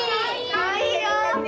・かわいいよ！